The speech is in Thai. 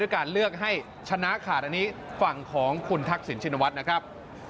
การเลือกให้ชนะขาดอันนี้ฝั่งของคุณทักษิณชินวัฒน์นะครับ